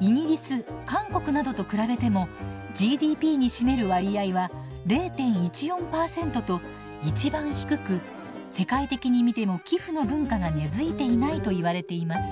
イギリス韓国などと比べてもＧＤＰに占める割合は０．１４％と一番低く世界的に見ても寄付の文化が根づいていないといわれています。